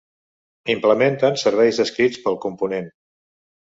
Implementen serveis descrits pel Component.